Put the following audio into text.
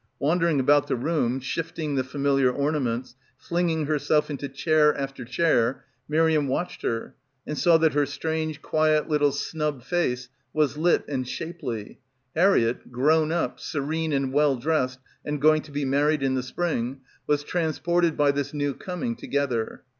Wandering about the room, shifting the familiar ornaments, flinging herself into chair after chair, Miriam watched her and saw that her strange quiet little snub face — 203 — PILGRIMAGE was lit and shapely. Harriett, grown up, serene and well dressed and going to be married in the spring, was transported by this new coming to gether.